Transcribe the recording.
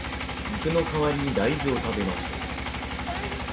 肉の代わりに大豆を食べましょう